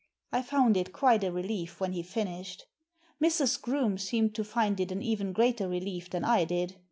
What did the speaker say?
I found it quite a relief when he finished. Mrs, Groome seemed to find it an even greater relief than I did.